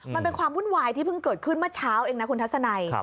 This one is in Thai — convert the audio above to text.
มันเป็นความวุ่นวายที่เพิ่งเกิดขึ้นเมื่อเช้าเองนะคุณทัศนัย